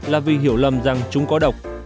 là vì hiểu lầm rằng chúng có độc